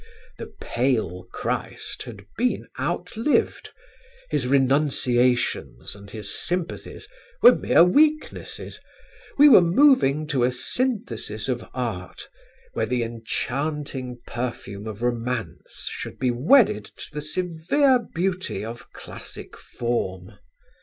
"The pale Christ had been outlived: his renunciations and his sympathies were mere weaknesses: we were moving to a synthesis of art where the enchanting perfume of romance should be wedded to the severe beauty of classic form.